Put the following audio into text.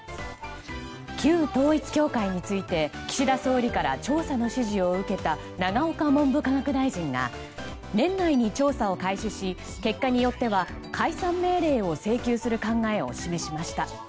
旧統一教会について岸田総理から調査の指示を受けた永岡文部科学大臣が年内に調査を開始し結果によっては解散命令を請求する考えを示しました。